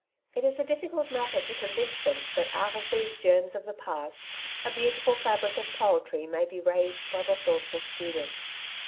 Wealth versus Poverty. loi It is a diflScult matter to convince them that out of these germs of the past a beautiful fabric of poetry may be raised by the thoughtful student.